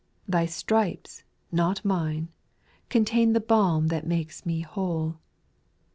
Thy stripes, not mine, contain The balm that makes me whole.